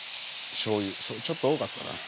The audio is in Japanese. しょうゆちょっと多かったかな。